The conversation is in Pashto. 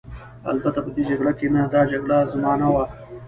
البته په دې جګړه کې نه، دا جګړه زما نه وه.